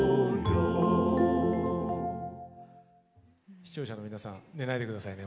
視聴者の皆さん寝ないで下さいね。